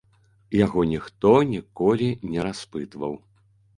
Яго ніхто ніколі не распытваў.